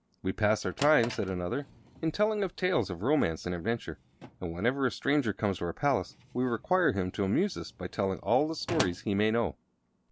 "We pass our time," said another, "in telling of tales of romance and adventure; and, whenever a stranger comes to our palace, we require him to amuse us by telling all the stories he may know."